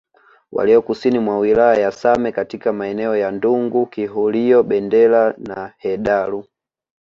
walio kusini mwa wilaya ya Same katika maeneo ya Ndungu Kihurio Bendera na Hedaru